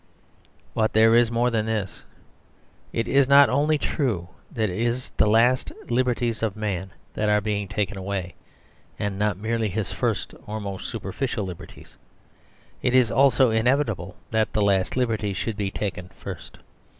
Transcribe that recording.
But there is more than this. It is not only true that it is the last liberties of man that are being taken away; and not merely his first or most superficial liberties. It is also inevitable that the last liberties should be taken first.